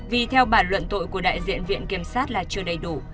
vì theo bản luận tội của đại diện viện kiểm sát là chưa đầy đủ